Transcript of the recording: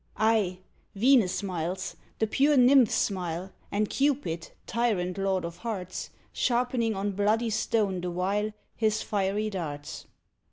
Ay, Venus smiles; the pure nymphs smile, And Cupid, tyrant lord of hearts, Sharpening on bloody stone the while His fiery darts.